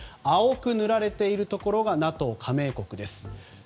青く塗られているところがＮＡＴＯ加盟国です。